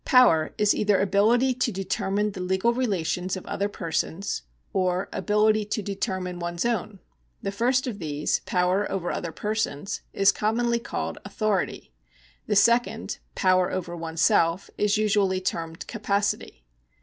Power is either ability to determine the legal relations of other per sons, or ability to determine one's own. The first of these— power over other persons — ^is commonly caUed authority ; the second — power over oneself — is usually termed capacity.'